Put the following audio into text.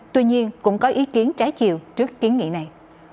tuy nhiên cũng có ý kiến trái chiều trước kiến nghị này